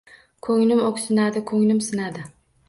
Ko’nglim o’ksinadi, ko’nglim sinadi